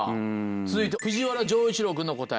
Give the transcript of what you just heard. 続いて藤原丈一郎君の答え。